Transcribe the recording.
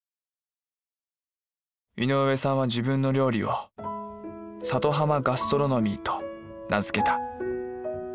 井上さんは自分の料理を「里浜ガストロノミー」と名付けた。